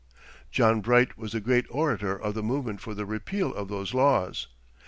John Bright was the great orator of the movement for the repeal of those laws.